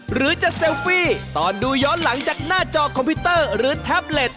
หรือจะเซลฟี่ตอนดูย้อนหลังจากหน้าจอคอมพิวเตอร์หรือแท็บเล็ต